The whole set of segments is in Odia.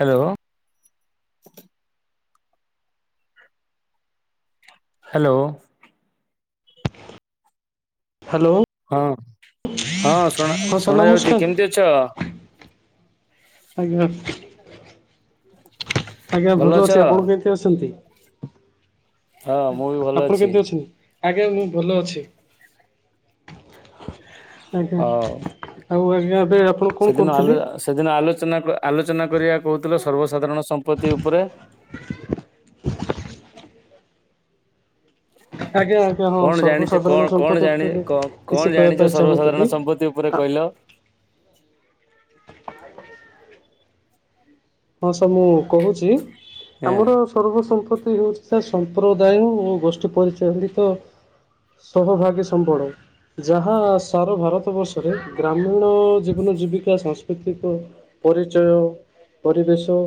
ହ୍ୟାଲୋ। ହ୍ୟାଲୋ। ହ୍ୟାଲୋ। ହଁ ହଁ ଶୁଣା ହଁ ସାର୍ ଶୁଣା ଯାଉଚି ନମସ୍କାର। କେମତି ଅଛ। ଆଜ୍ଞା। ଆଜ୍ଞା ଭଲ ଅଛି ଆପଣ କେମତି ଅଛନ୍ତି? ହଁ ମୁଁ ବି ଭଲ ଆପଣ ଅଛି କେମିତି ଅଛନ୍ତି? ଆଜ୍ଞା ମୁଁ ଭଲ ଅଛି। ଆଜ୍ଞା ହଉ ଆଉ ଆଜ୍ଞା ଏବେ ଆପଣ କଣ ସେଦିନ ଆଲୋ କରୁଥିଲେ? ସେଦିନ ଆଲୋଚନା କ ଆଲୋଚନା କରିବାକୁ କହୁଥିଲ ସର୍ବସାଧାରଣ ସମ୍ପତ୍ତି ଉପରେ? ଆଜ୍ଞା ଆଜ୍ଞା ହଁ କଣ ଜାଣିଛ କଣ ସର୍ବସାଧାରଣ କଣ ସମ୍ପତ୍ତି ଜାଣି ଉପରେ କଣ କିଛି କହିବା ଜାଣିଛ ପାଇଁ ସର୍ବସାଧାରଣ ଚାହୁଁଥିଲି ସମ୍ପତ୍ତି ଉପରେ ଆଁ କହିଲ ହଁ ସାର୍ ମୁଁ କହୁଚି ହଁ ଆମର ସର୍ବ ସମ୍ପତ୍ତି ହେଉଚି ସାର ସମ୍ପ୍ରଦାୟ ଓ ଗୋଷ୍ଠୀ ପରିଚାଳିତ ସହଭାଗୀ ସମ୍ବଳ। ଯାହା ସାରା ଭାରତବର୍ଷରେ ଗ୍ରାମୀଣ ଜୀବନ ଜୀବିକା ସାଂସ୍କୃତିକ ପରିଚୟ ପରିବେଶ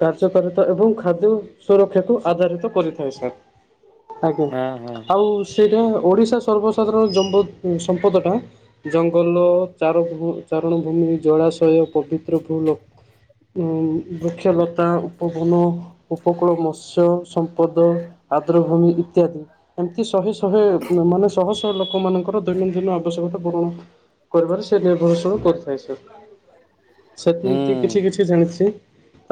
କାର୍ଯ୍ୟକାରିତା ଏବଂ ଖାଦ୍ୟ ସୁରକ୍ଷାକୁ ଆଧାରିତ କରିଥାଏ ସାର୍। ଆଜ୍ଞା ହଁ ହଁ ଆଉ ସେଇଟା ଓଡିଶା ସର୍ବସାଧାରଣ ଜମ୍ପ ସସମ୍ପଦ ଟା ଜଙ୍ଗଲ ଚାରଭୁ ଚାରଣଭୂମି ଜଳାଶୟ ପବିତ୍ର ଫୁଲ ହୁଁ ବୃକ୍ଷଲତା ଉପବନ ଉପକୂଳ ମତ୍ସ୍ୟ ସମ୍ପଦ ଆଦ୍ରଭୂମି ଇତ୍ୟାଦି। ଏମିତି ଶହେ ଶହେ ମାନେ ଶହ ଶହ ଲୋକମାନାଙ୍କର ଦୈନନ୍ଦିନ ଆବଶ୍ୟକତା ପୂରଣ କରିବାରେ ସେ ନିର୍ଭରଶୀଳ କରିଥାଏ ସାର୍ ସେମିତି କିଛି ହୁଁ କିଛି ଜାଣିଚି।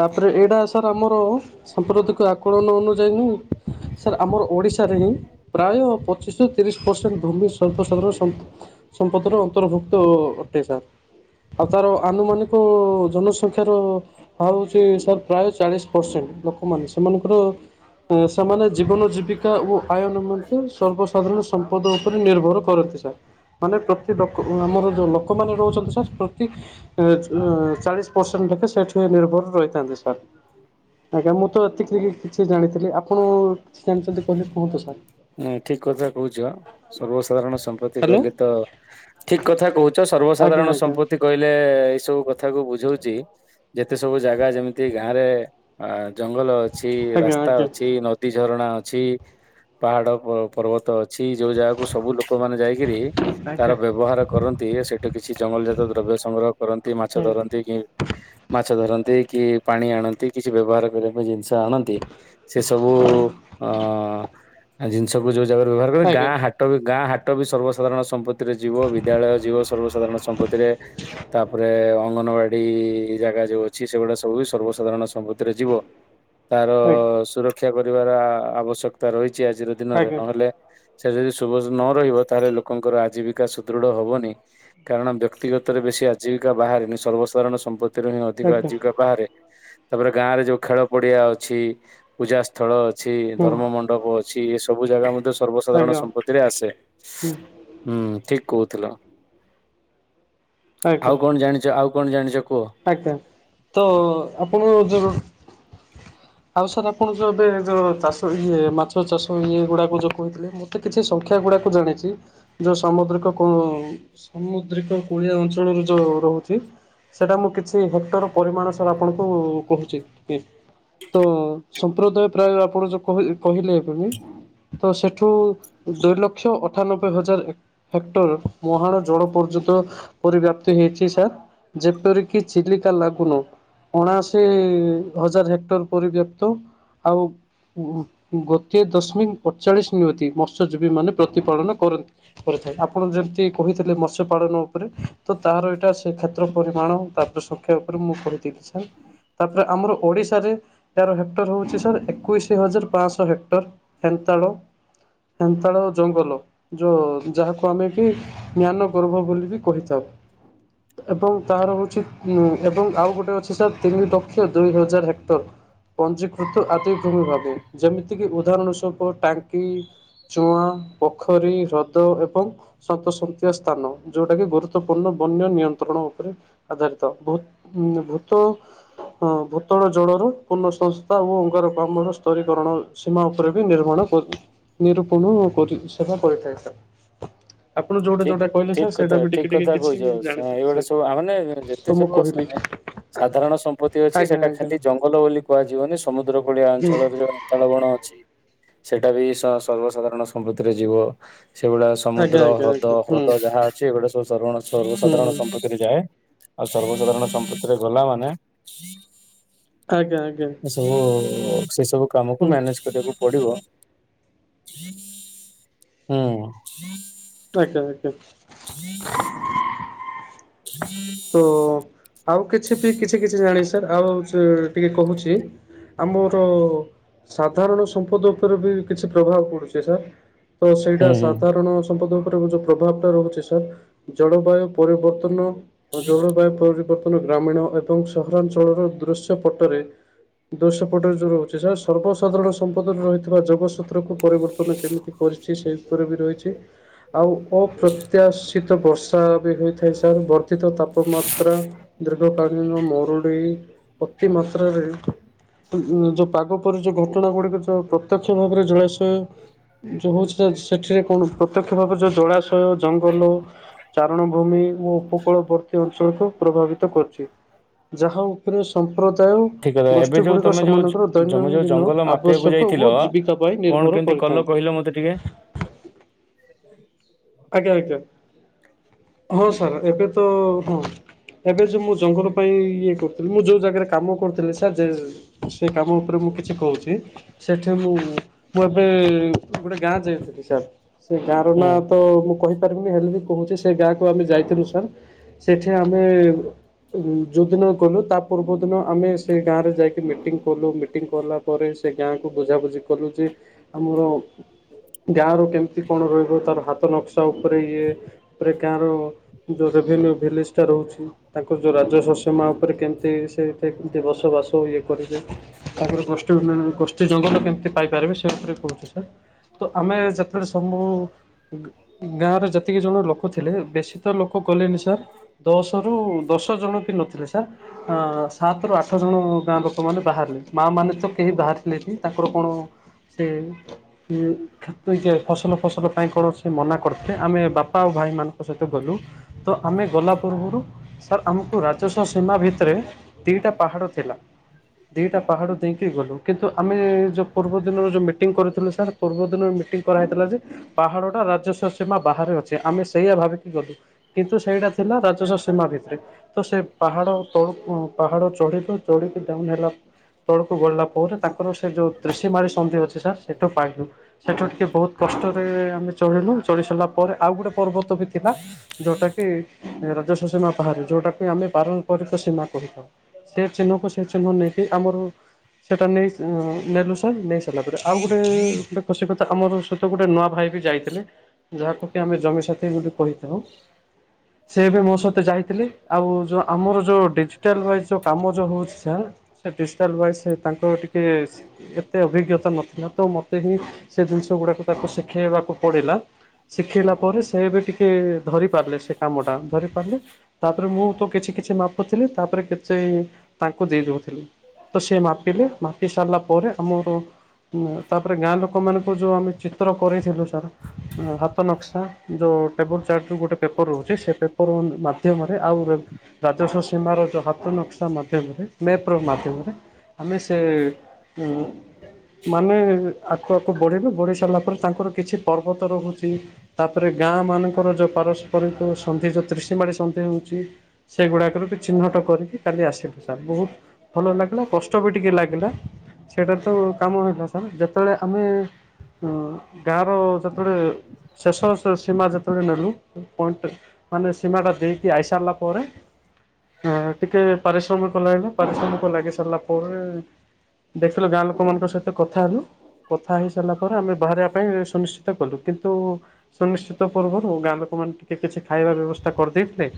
ତାପରେ ଏଇଟା ସାର୍ ଆମର ସାମ୍ପ୍ରତିକ ଆକଳନ ଅନୁଯାୟୀ ନୁହୁ ସାର୍ ଆମର ଓଡ଼ିଶାରେ ହିଁ ପ୍ରାୟ ପଚିଶରୁ ତିରିଶ ପରସେଣ୍ଟ ଭୂମି ସର୍ବସାଧାରଣ ସମ୍ପ ସମ୍ପଦର ଅନ୍ତର୍ଭୁକ୍ତ ଅଟେ ସାର୍ ଆଉ ତାର ଆନୁମାନିକ ସଂଖ୍ୟାର ବାହାରୁଚି ସାର୍ ପ୍ରାୟ ଚାଳିଶ ପରସେଣ୍ଟ ଲୋକମାନେ ସେମାନଙ୍କର ହଁ ସେମାନେ ଜୀବନ ଜୀବିକା ଓ ଆୟ ନିମନ୍ତେ ସର୍ବସାଧାରଣ ସମ୍ପଦ ଉପରେ ନିର୍ଭର କରନ୍ତି ସାର୍। ମାନେ ପ୍ରତି ଲୋକ ଆମର ଯୋଉ ଲୋକମାନେ ରହୁଚନ୍ତି ସାର୍ ପ୍ରତି ଏଁ ଅଁ ଚାଳିଶ ପର୍ସେନଟ ଲୋକ ସେଠି ନିଭର ରହିଥା ସାର୍ ଆଜ୍ଞା ମୁଁ ତ ଏତି କିଛି ଜାଣିଥିଲି ଆପଣ କିଛି ଜାଣିଚନ୍ତି କହିଲେ? କୁହନ୍ତୁ ସାର୍। ଉଁ ଠିକ କଥା କହୁଚ ସର୍ବସାଧାରଣ ସମ୍ପତ୍ତି ହ୍ୟାଲୋ କହିଲେ ତ ଠିକ୍ କଥା କହୁଚ ଆଜ୍ଞା ସର୍ବସାଧାରଣ ଆଜ୍ଞା ସମ୍ପତ୍ତି କହିଲେ ଏଇ ସବୁ କଥା କୁ ବୁଝଉଚି ଯେତେ ସବୁ ଜାଗା ଯେମିତି ଗାଁ ରେ ଆ ଜଙ୍ଗଲ ଅଛି ଆଜ୍ଞା ରାସ୍ତା ଆଜ୍ଞା ଆଜ୍ଞା ଅଛ କି ନଦୀ ଝରଣା ଅଛି ପାହାଡ ପ ପର୍ବତ ଅଛି ଯୋଉ ଜାଗାକୁ ସବୁ ଲୋକମାନେ ଯାଇକିରି ତାର ବ୍ୟବହାର କରନ୍ତି, ସେଇଠୁ କିଛି ଜଙ୍ଗଲ ଜାତ ଦ୍ରବ୍ୟ ସଂଗ୍ରହ କରନ୍ତି ମାଛ ହୁଁ ଧରନ୍ତି କି ମାଛ ଧରନ୍ତି କି ପାଣି ଆଣନ୍ତି କିଛି ବ୍ୟବହାର କରିବା ପାଇଁ ଜିନିଷ ଆଣନ୍ତି। ଏ ସବୁ ଅ ଜିନିଷକୁୁ ଯୋଉ ଜାଗାରେ ବ୍ୟବହାର କରିବା ଆଜ୍ଞା ଗାଁ ହା ଟ ହାଟ ବି ଗାଁ ହାଟ ବି ସର୍ବସାଧାରଣ ସମ୍ପତ୍ତି ଯିବ ବିଦ୍ୟାଳୟ ଯିବ ସର୍ବସାଧାରଣ ସମ୍ପତ୍ତିରେ, ତାପରେ ଅଙ୍ଗନବାଡି ସେ ଜାଗା ଯୋଉ ଅଛି ସେଗୁଡା ସବୁ ସର୍ବସାଧାରଣ ସମ୍ପତିରେ ଯିବ, ତାର ସୁରକ୍ଷା କରିବାର ଆବଶ୍ୟକତା ରହିଛି ଆଜିର ଦିନରେ ଆଜ୍ଞା ନହେଲେ ସେ ଯଦି ସୁଭ ନ ରହିବ ତାହେଲେ ଲୋକଙ୍କର ଆଜୀବିକା ସୁଦୃଢ ହବନି। କାରଣ ବ୍ୟକ୍ତିଗତରେ ବେଶୀ ଆଜୀବିକା ବାହାରିନି ସର୍ବସାଧାରଣ ସମ୍ପତ୍ତି ଭିତରୁ ହିଁ ଆଜ୍ଞା ଅଧିକ ଆଜ୍ଞା। ଜୀବିକା ବାହାରେ, ତାପରେ ଗାଁ ରେ ଯୋଉ ଖେଳ ପଡିଆ ଅଛି ପୂଜା ସ୍ଥଳ ଅଛି, ହୁଁ ଧର୍ମ ମଣ୍ଡପ ଅଛି ଏ ସବୁ ଜାଗା ମଧ୍ୟ ସର୍ବସାଧାରଣ ଆଜ୍ଞା ସମ୍ପତ୍ତିରେ ଆସେ। ହୁଁ ହୁଁ ଠିକ କହୁଥିଲ, ଆଜ୍ଞା ଆଉ କଣ ଜାଣିଛ ଆଉ କଣ ଜାଣିଛ? କୁହ। ଆଜ୍ଞା ତ ଆପଣ ଯୋଉ ଆଉ ସାର୍ ଆପଣ ଯଉ ଏବେ ଯଉ ଚାଷ ଇଏ ମାଛ ଚାଷ ଇଏ ଗୁଡ଼ାକୁ ଯଉ କହିଥିଲେ ମ ସେ କିଛି ସଂଖ୍ୟା ଗୁଡାକୁ ଜାଣିଛି। ଯେଉଁ ସାମୁଦ୍ରିକ କୋଉ ସମୁଦ୍ରିକ କୁଳିଆ ଅଞ୍ଚଳରୁ ଯେଉଁ ରହୁଛି। ସେଇଟା ମୁଁ କିଛି ହେକ୍ଟର ପରିମାଣ ସବୁ ଆପଣଙ୍କୁ କହୁଛି, କି ତ ସମ୍ପ୍ରତ ପ୍ରାୟ ଆପଣ ଯୋଉ କହ-କହିଲେ ଏଖୁଣୀ ତ ସେଠୁ ଦୁଇ ଲକ୍ଷ ଅଠାନବେ ହଜାର ହେକ୍ଟର ମହାନ ଜଳ ପର୍ଯ୍ୟନ୍ତ ପରିବ୍ୟାପ୍ତି ହେଇଛି ସାର୍। ଯେପରିକି ଚିଲିକା ଲାଗୁନ ଅଣାଅଶୀ ହଜାର ହେକ୍ଟର ପରିବ୍ୟାକ୍ତ, ଆଉ ଗୋଟିଏ ଦଶମିକ ଅଠଚାଳିଶ ନିୟତି ମତ୍ସ୍ୟଜୀବୀ ମାନେ ପ୍ରତିପାଳନ କରନ୍ତି। କରିଥାଏ, ଆପଣ ଯେମିତି କହିଥିଲେ ମତ୍ସ୍ୟ ପାାଳନ ଉପରେ ତ ତାର ଏଇଟା ସେ ଖେ ପରିମାଣ ତାପରେ ସଂଖ୍ୟା ଉପରେ ମୁଁ କହିଥିଲି ସାର୍। ତାପରେ ଆମର ଓଡିଶାରେ ଏହାର ହେକ୍ଟର ହଉଛି ହଉଚି ଏକୋଇଶ ହଜାର ପାଞ୍ଚଶହ ହେକ୍ଟର ହେନ୍ତାଳ। ହେନ୍ତାଳ ଜଙ୍ଗଲ, ଯୋଉ ଯାହାକୁ ଆମେ କି ଜ୍ଞାନ ଗର୍ଭ ବୋଲି ବି କହିଥାଉ। ଏବଂ ତାର ହଉଛି ଉ ଏବଂ ଆଉ ଗୋଟେ ଅଛି ସାର୍ ତିନି ଲକ୍ଷ ଦୁଇ ହଜାର ହେକ୍ଟର। ପଞ୍ଜୀକୃତ ଆତି ଭମି ଭା ଯେମିତି କିି ଉଦାହରଣ ସ୍ୱୂପ ଟାଙ୍କି ଚୁଆଁ, ପୋଖରୀ, ହ୍ରଦ ଏବଂ ସତସନ୍ତୀୟ ସ୍ଥାନ, ଯୋଉଟା କି ଗୁରୁତ୍ୱପୂର୍ଣ୍ଣ ବନ୍ୟ ନିୟ ଣ ଉପରେ ଆଧାରିତ, ଭୂତ ଭୂତଳ ଜଳର ପୂର୍ଣ୍ଣ ସଂସ୍ଥା ଓ ଅଙ୍ଗାର କାମ ସ୍ତରୀକରଣ ସୀମା ଉପରେ ବି ନିର୍ମାଣ ନିରୂପଣ କରି ସେବା କରିଥାଏ। ଆପଣ ଯୋଉଟା ଠିକ ଯୋଉଟା କହିଲେ ଠିକ ସାର୍, ସେଇଟା ବି ଟିକେ ଟିକେ କିଛି ଜାଣି ତ ଆମାନେ ଯେତେ ଯବ ସାଧାରଣ ସମ୍ପତ୍ତି ଅଛି ଆଜ୍ଞା ସେଟା ଆଜ୍ଞା ଖାଲି ଜଙ୍ଗଲ ବୋଲି କୁହାଯିବନି, ସମୁଦ୍ର କୁଳିଆ ହୁଁ ଅଞ୍ଚଳରେ ଯୋଉ ହେନ୍ତାଳ ବଣ ଅଛି ସେଟା ବି ସର୍ବସାଧାରଣ ସମ୍ପତିରେ ଯିବ ସେଭଳି ଆଜ୍ଞା ସମୁଦ୍ର ଆଜ୍ଞା ହ୍ରଦ ଆଜ୍ଞା ହୁଁ ହ୍ରଦ ଯାହା ଅଛି ଏ ଗୁଟେ ସବୁ ହୁଁ ସର-ସର୍ବସାଧାରଣ ହୁଁ ଯାଏ, ଆଉ ସର୍ବସାଧାରଣ ସମ୍ପତିରେ ଗଲା ମାନେ ଆଜ୍ଞା ଆଜ୍ଞା। ସବୁ ସେ ସବୁ କାମ କୁ ହୁଁ ମାନେଜ କରିବାକୁ ପଡିବ ହୁଁ ଆଜ୍ଞା ଆଜ୍ଞା। ତ ଆଉ କିଛି ବି କିଛି କିଛି ଜାଣିଛି ସାର୍ ଆଉ ଟିକେ କହୁଛି। ଆମର ସାଧାରଣ ସମ୍ପଦ ଉପରେ ବି କିଛି ପ୍ରଭାବ ପଡୁଛି ସାର୍। ତ ସେଇଟା ହୁଁ ହୁଁ। ସାଧାରଣ ସମ୍ପଦ ଉପରେ [unintelligible] ପ୍ରଭାବ୍ ଟା ରହୁଛି ସାର୍ ଜଳବାୟୁ ପରିବର୍ତ୍ତନ ଜଳବାୟୁ ପରି ବର୍ତ୍ତନ ଗ୍ରାମୀଣ ଏବଂ ସହରାଞ୍ଚଳର ଦୃଶ୍ୟ ପଟରେ ଦୃଶ୍ୟ ପଟରେ ଯୋଉ ରହୁଛି ସାର୍ ସର୍ବସାଧାରଣ ସମ୍ପଦରେ ରହିଥିବା ଯୋଗସୂ ତ୍ରକୁ ପରିବର୍ତ୍ତନ କେମିତି କରିଚି ସେଇ ଉପରେ ବି ରହିଚି ଆଉ ଅପ୍ରତ୍ୟାଶିତ ବର୍ଷା ବି ହୋଇଥାଏ ସାର୍ ବର୍ଧି ତ ତାପମାତ୍ରା ଦୀର୍ଘକାଳୀନ ମରୁଡି ଅତି ମାତ୍ରାରେ ଯୋଉ ପାଗ ପରି ଯୋଉ ଘଟଣା ଗୁଡିକ ଯୋଉ ପ୍ରତ୍ୟକ୍ଷ ଭାବରେ ଜଳାସ ୟ ଯୋଉ ହଉଛି [unintelligible] ସେଠିରେ କଣ ପ୍ରତ୍ୟକ୍ଷ ଭାବବେରେ ଯୋଉ ଜଳାଶୟ ଜଙ୍ଗଲ ଚାରଣଭୂମି ଓ ଉପକୂଳବର୍ତ୍ତୀ ଅଞ୍ଚଳକୁ ପ୍ରଭାବିତ କରୁଚି। ଯାହା ଉପରେ ସମ୍ପ୍ରଦାୟ ଠିକ କଥା ଏବେ ଗୋଷ୍ଠୀ ଯୋଉ ଗୁଡିକ ତମେ ଯୋଉ ସେମାନଙ୍କର ଜମେ ଯୋଉ ଦୈନନ୍ଦିନ ଜଙ୍ଗଲ ଆ ମାପିବାକୁ ବଶ୍ୟକ ଯାଇଥିଲ ଓ ଜୀବିକା ପାଇଁ କଣ ନିର୍ଭର କେମିତି କଲ କରିଥାନ୍ତି। କହିଲ ମତେ ଟିକେ ଆଜ୍ଞା-ଆଜ୍ଞା ହଁ ସାର୍ ଏବେ ତ ହଁ ଏବେ ଯୋଉ ମୁଁ ଜଙ୍ଗଲ ପାଇଁ ଇଏ କରୁଥିଲି ମୁଁ ଯୋଉ ଜାଗାରେ କାମ କରୁଥିଲି ସାର୍ ଯେ ସେ କାମ ଉପରେ ମୁଁ କିଛି କହୁଚି। ସେଠି ମୁଁ-ମୁଁ ଏବେ ଗୋଟେ ଗାଁ ଯାଇଥିଲି ସାର୍, ସେ ଗାଁ ର ହୁଁ ନାଁ ତ ମୁଁ କହିପାରିବିନି ହେଲେ ବି କହୁଛି ସେ ଗାଁକୁ ଆମେ ଯାଇଥିଲୁ ସାର୍। ସେଠି ଆମେ ଯୋଉଦିନ ଗଲୁ ତା ପୂର୍ବଦିନ ଆମେ ସେ ଗାଁରେ ଯାଇକି ମିଟିଂ କଲୁ ମିଟିଂ କଲା ପରେ ସେ ଗାଁ କ ବୁଝାବୁଝି କଲୁ ଯେ ଆମର ଗାଁ ର କେମିତି କଣ ରହିବ ତାର ହା ତ ନକ୍ସା ଉପରେ ଇଏ ଉପରେ ଗାଁର ଯୋଉ ରେଭିନ୍ୟୁ ଭିଲେଜଟା ରହୁଛି ତାଙ୍କର ଯୋଉ ରାଜସ୍ୱସିମା ଉପରେ କେମ୍ତି ସେ କେମ୍ତି ବସବାସ ଇଏ କରିବେ। ତାପରେ ଗୋଷ୍ଠୀ ଉନ୍ନୟନ ଗୋଷ୍ଠୀ ଜଙ୍ଗଲ କେମ୍ତି ପାଇପାରିବେ ସେ ଉପରେ କହୁଛି ସାର୍। ତ ଆମେ ଯେତେବେଳେ [unintelligible] ଗାଁରେ ଯେତିକି ଜଣ ଲୋକ ଥିଲେ ବେଶୀ ତ ଲୋକ ଗଲେନି ସାର୍ ଦଶ ରୁ ଦଶ ଜଣ ବି ନଥିଲେ ସାର୍। ହଁ ସାତରୁୁ ଆଠ ଜଣ ଗାଁ ଲୋକମାନୋନ ବାହାରିଲେ। ମାଆ ମାନେ ତ କେହି ବାହାରିଲେନି, ତାଙ୍କର କଣ ସେ ଏ ଯେ ଫସଲ-ଫସଲ ପାଇଁ କଣ ସେ ମନା କରିଥିଲେେ ଆମେ ବାପା ଆଉ ଭାଇ ମାନଙ୍କ ସହିତ ଗଲୁ। ତ ଆମେ ଗଲା ପୂର୍ବରୁ ସାର୍ ଆମକୁ ରାଜସ୍ୱ ସୀମା ଭିତେରେ ଦିଟା ପାହାଡ ଥିଲା, ଦିଟା ପାହାଡ ଦେଇକି ଗଲୁ। କିନ୍ତୁ ଆମେ ଯୋଉ ପୂର୍ବ ଦିନର ଯୋଉ ମିଟିଂ କରିଥିଲୁ ସାର୍ ପୂର୍ବ ଦିନ ମିଟିଂ କରାହେଇଥିଲା ଯେ ପାହାଡଟା ରା ରାଜସ୍ଵ ସୀମା ବାହାରେ ଅଛି, ଆମେ ସେଇଆ ଭାବିକି ଗଲୁ କିନ୍ତୁ ସେଇଟା ଥିଲା ରାଜସ୍ଵ ସୀମା ଭିତରେ। ତ ସେ ପାହାଡ଼ ତଳୁ ପାହାଡ ଚଢିଲୁ ଚଢିକି ଡ଼ାଉନ୍ ହେଲା। ତଳକୁ ଗଡିଲା ପରେ ତାଙ୍କର ସେ ଯୋଉ [unintelligible] ସନ୍ଧି ଅଛି ସାର୍ ସେଇଠୁ ପାଇଲୁ। ସେଠୁ ଟିକେ ବହୁତ୍ କଷ୍ଟରେ ଆମେ ଚଢିଲୁ, ଚଢି ସାରିଲା ପରେ ଆଉ ଗୋଟେ ପର୍ବତ ଭିତେରେ ଥିଲା ଯୋଉଟା କି ରାଜସ୍ୱ ସୀମା ବାହାରେ, ଯୋଉଟାକୁ ଆମେ ପାରମ୍ପରିକ ସୀମା କହିଥାଉ। ସେ ଚିହ୍ନକୁ ସେ ଚିହ୍ନ ନେଇକି ଆମର ସେଇଟା ନେଇ ନେଲୁ ସାର୍ ନେଇ ସାରିଲା ପରେ ଆଉ ଗୋଟେ-ଗୋଟେ ଖୁସି କଥା, ଆମର ସହିତ ଗୋଟେ ନୂଆ ଭାଇ ବି ଥିଲେ ଯାହାକୁ କି ଆମେ ଜମିସାଥି ବୋଲି କହିଥାଉ, ସେ ଏବେ ମୋ ସହିତ ଯାଇଥିଲେ ଆଉ ଯୋଉ ଆମର ଯୋଉ ଡିଜି ଟାଲ୍ ୱାଇଜ୍ ଯୋଉ କାମ ଯୋଉ ହେଉଛି ସାର୍, ସେ ଡିଜିଟାଲ୍ ୱାଇଜ୍ ସେ ତାଙ୍କର ଟିକେ ଏତେ ଅଭିଜ୍ଞତା ନଥିଲା, ତ ମୋତେ ହିଁ ସେ ଜିନିଷ ଗୁଡ଼ାକ ତାକୁ ଶିଖେଇବାକୁ [unintelligible] ଶିଖେଇଲା ପରେ ସେ ଏବେ ଟିକେ ଧରି ପାରିଲେ ସେ କାମଟା ଧରି ପାରିଲେ, ତାପରେ ମୁଁ ତ କିଛି-କିଛି ମାପୁଥିଲି ତାପରେ [unintelligible] ତାଙ୍କୁ ଦେଇଦଉଥିଲି। ତ ସେ ମାପିଲେ ମାପି ସାରିଲା ପରେ ଆମର ତାପରେ ଗାଁ ଲୋକମାନଙ୍କୁ ଯୋଉ ଆମେ ଚିତ୍ର କରିଥିଲୁ ସାର୍ ହାତ ନକ୍ସା ଯୋଉ ଟେବୁଲ୍ ଚାର୍ଟରୁ ଗୋଟେ ପେପର୍ ରହୁଛି ସେ ପେପର ମାଧ୍ୟମରେ ଆଉ ରାଜସ୍ୱ ସୀମାର ଯୋଉ ହାତ ନକ୍ସା ମାଧ୍ୟମରେ ମେପ୍ ର ମାଧ୍ୟମରେ ଆମେ ସେ ଉ ମାନେ ଆଗକୁ ଆଗକୁ ଗଢ଼େଇିଲୁ ଗୋଢ଼ିସାରିଲା ପରେ ତାଙ୍କର କିଛି ପର୍ବତ ରହୁଚି ତାପରେ ଗାଁ ମାନଙ୍କର ଯୋଉ ପାରସ୍ପରିକ ସନ୍ଧି ଯୋଉ ତ୍ରିଶ ମାଡ଼ି ସନ୍ଧି ହଉଚି ସେଗୁଡ଼ାକରେ ବି ଚିହ୍ନଟ କରିକି କାଲି ଆସିଲୁ ସାର୍ ବହୁତ ଭଲ ଲାଗିଲା କଷ୍ଟ ବି ଟିକେ ଲାଗିଲା ସେଇଟା ତ କାମ ହେଲା ସାର୍ ଯେତେବେଳେ ଆମେ ଉଁ ଗାଁ ର ଯେତେଳେ ଶେଷ ସ ସୀମା ଯେତେଳେ ନେଲୁ ପଏଣ୍ଟ ମାନେ ସୀମା ଟା ଦେଇକି ଆଇସାରିଲା ପରେ ହ ଟିକେ ପାରିଶ୍ରମିକ କଲାଇଗ ପାରିଶ୍ରମିକ ଲାଗି ସାରିଲା ପରେ ଦେଖିଲୁ ଗାଁ ଲୋକମାନଙ୍କ ସହିତ କଥା ହେଲୁ କଥା ହେଇ ସାରିଲା ପରେ ଆମେ ବାହାରିବା ପାଇଁ ସୁନିଶ୍ଚି ତ କଲୁ କିନ୍ତୁ ସୁନିଶ୍ଚିତ ପୂର୍ବରୁ ଗାଁ ଲୋକମାନେ ଟିକେ କିଛି ଖାଇବା ବ୍ୟବସ୍ଥା କରିଦେଇଥିଲେ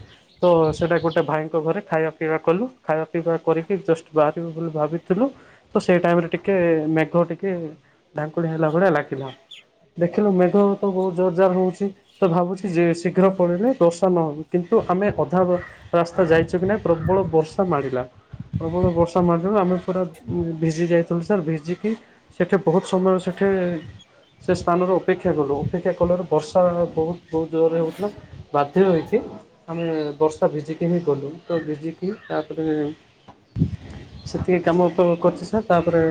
ତ ସେଇଟା ଗୋଟେ ଭାଇଙ୍କ ଘରେ ଖାଇବା ପିଇବା କଲୁ ଖାଇବା ପିଇବା କରିକି ଜଷ୍ଟ ବାହାରିବୁ ବୋଲି ଭାବିଥିଲୁ ତ ସେଇ ଟାଇମ୍ ରେ ଟିକେ ମେଘ ଟିକେ ଢାଙ୍କୁଳି ହେଲା ଭଳିଆ ଲାଗିଲା ଦେଖିଲୁ ମେଘତ ବହୁତ୍ ଜୋର ଜାର ହେଉଚି ତ ଭାବୁଛି ଯେ ଶୀଘ୍ର ପଳେଇିଲେ ଦୋଶି ନହେବି କିନ୍ତୁ ଆମେ ଅଧାବା ରାସ୍ତା ଯାଇଛୁ କି ନାଇ ପ୍ରବଳ ବର୍ଷା ମାଡ଼ିଲା ପ୍ରବଳ ବର୍ଷା ମାଡ଼ିଲା ଆମେ ପୁରା ଉ ଭିଜି ଯାଇଥିଲୁ ସାର୍ ଭିଜିିକି ସେଠି ବହୁତ୍ ସମୟ ସେଠି ସେ ସ୍ଥାନରେ ଅପେକ୍ଷା କଲୁ ଅପେକ୍ଷା କଲାରୁ ବର୍ଷା ବହୁତ୍ ବହୁତ୍ ଜୋରରେ ହଉଥିଲା ବାଧ୍ୟ ହୋଇକି ଆମେ ବର୍ଷା ଭିଜିକି ହିଁ ଗଲୁ ତ ଭିଜିକି ତାପରେ ସେତିକି କାମ ତ କରିଚି ସାର୍ ତାପରେ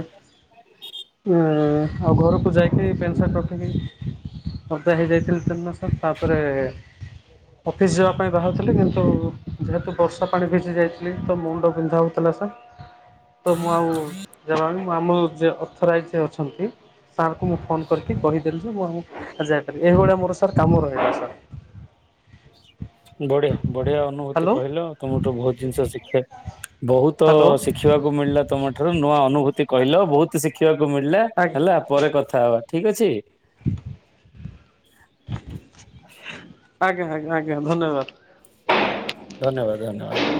ଉ ଆଉ ଘରକୁ ଯାଇକି ପ୍ୟାଣ୍ଟ୍ ସାଟ୍ ର ଅଦା ହେଇଯାଇଥିଲି ସେଦିନ ସାର୍ ତାପରେ ଅଫିସ୍ ଯିବା ପାଇଁ ବାହାରୁଥିଲି କିନ୍ତୁ ଯେହେତୁ ବର୍ଷା ପାଣି ଭିଜି ଯାଇଥିଲି ତ ମୁଣ୍ଡ ବିନ୍ଧା ହେଉଥିଲା ସାର୍ [inaudible] ତ ମୁଁ ଆଉ ଜାଇନି ମୁଁ ଆମୁଲ୍ ଯେ ଅଥରାଇଜ ଅଛନ୍ତି ସାର୍ଙ୍କୁ ମୁଁ ଫୋନ୍ କରି କହିଦେଲି ଯେ ମୁଁ ଆଉ ଯାଇପାରିବି ଏଗୁଡ଼ା ମୋର ସାର୍ କାମ ରହିଲା ସାର୍ ବଢ଼ିଆ ବଢ଼ିଆ ଅନୁଭୂତି ହ୍ୟାଲୋ କହିଲ ତମଠୁ ବହୁତ୍ ଜିନିଷ ଶିଖିବା ବହୁତ ହ୍ୟାଲୋ ଶିକ୍ଷା ଶିଖିବାକୁ ମିଳିଲା ତମ ଠାରୁ ନୂଆ ଅନୁଭୂତି କହିଲ ବହୁତ୍ ଶିଖିବାକୁ ମିଳିଲା ଆଜ୍ଞା ହେଲା। ପରେ କଥା ହବା ଠିକ୍ ଅଛି। ଆଜ୍ଞା ଆଜ୍ଞା ଆଜ୍ଞା ଧନ୍ୟବାଦ। ଧନ୍ୟବାଦ୍ ଧନ୍ୟବାଦ୍।